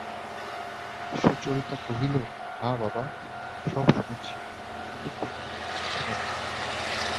সুচরিতা কহিল, হাঁ বাবা, সব শুনেছি, কিন্তু তুমি অত ভাবছ কেন?